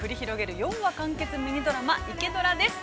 ４話完結ミニドラマ、「イケドラ」です。